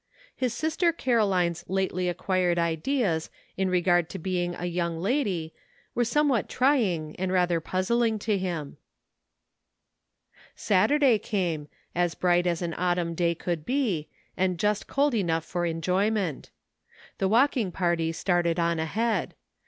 His sister Caroline's lately acquired ideas in regard to being a young lady were somewhat trying and rather puzzling to him. Saturday came, as bright as an autumn day could be, and just cold enough for enjoyment. The walking party started on ahead. Mrs.